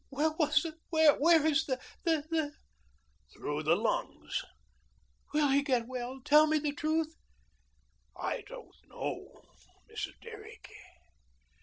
"Where was he where is the the " "Through the lungs." "Will he get well? Tell me the truth." "I don't know. Mrs. Derrick."